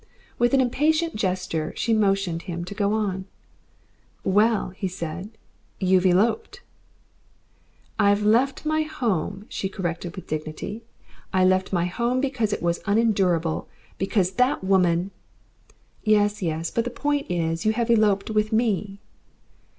With an impatient gesture she motioned him to go on. "Well," he said, "you've eloped." "I've left my home," she corrected, with dignity. "I left my home because it was unendurable. Because that woman " "Yes, yes. But the point is, you have eloped with me."